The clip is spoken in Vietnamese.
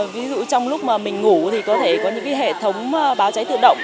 ví dụ trong lúc mình ngủ có thể có những hệ thống báo cháy tự động